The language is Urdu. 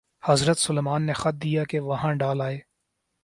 حضرت سلیمان نے خط دیا کہ وہاں ڈال آئے۔